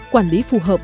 quản lý phù hợp